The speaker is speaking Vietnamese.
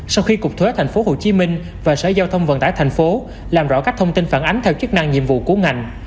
sau khi cục thuế tp hcm và sở giao thông vận tải tp hcm làm rõ các thông tin phản ánh theo chức năng nhiệm vụ của ngành